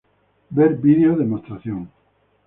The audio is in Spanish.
Ver vídeo demostración.